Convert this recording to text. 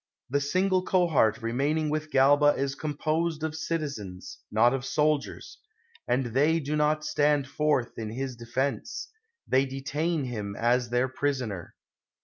The single cohort remain ing with Galba is composed of citizens, not of soldiers ; and they do not stand forth in his de fense — they detain him as their prisoner.